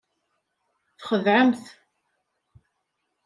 Txedɛemt.